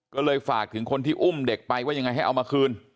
ก็เลยฝากถึงคนที่อุ้มเด็กไปว่ายังไงให้เอามาคืน